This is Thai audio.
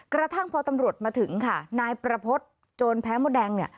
กระทั่งพอตำรวจมาถึงค่ะนายประพฤติโจรแพ้มดแดงเนี่ย